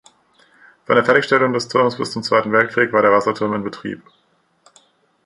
Von der Fertigstellung des Turmes bis zum Zweiten Weltkrieg war der Wasserturm in Betrieb.